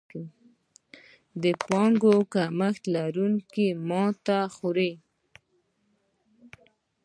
د پانګې کمښت لرونکي ماتې خوري.